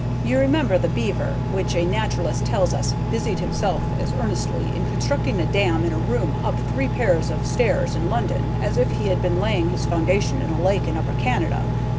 You remember the beaver which a naturalist tells us "busied himself as earnestly in constructing a dam in a room up three pair of stairs in London as if he had been laying his foundation in a lake in Upper Canada.